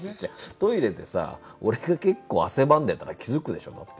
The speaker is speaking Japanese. トイレでさ俺が結構汗ばんでたら気付くでしょだって。